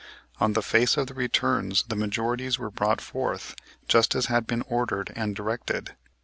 On the face of the returns the majorities were brought forth just as had been ordered and directed.